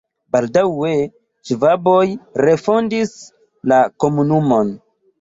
Baldaŭe ŝvaboj refondis la komunumon.